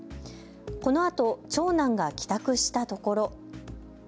このあと長男が帰宅したところ。